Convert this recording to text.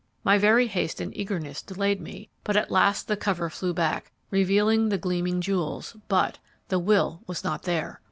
My very haste and eagerness delayed me, but at last the cover flew back, revealing the gleaming jewels, but the will was not there!